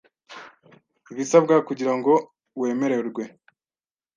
Ibisabwa kugira ngo wemererwe